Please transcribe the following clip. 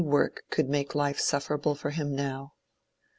Only work could make life sufferable for him now."